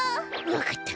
わかった！